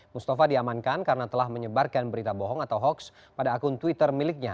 mustafa diamankan karena telah menyebarkan berita bohong atau hoaks pada akun twitter miliknya